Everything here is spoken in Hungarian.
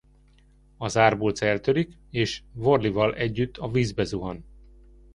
Az árbóc eltörik és Warley-val együtt a vízbe zuhan.